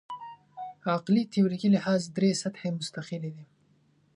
عقلي تیوریکي لحاظ درې سطحې مستقلې دي.